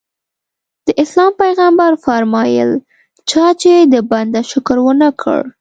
د اسلام پیغمبر وفرمایل چا چې د بنده شکر ونه کړ.